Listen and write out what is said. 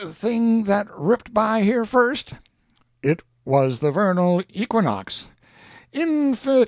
thing that ripped by here first?" "It was the Vernal Equinox." "Inf['ic!)